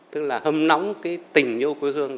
tức là hâm nóng cái tình yêu quê hương